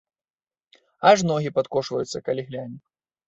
Аж ногі падкошваюцца, калі гляне.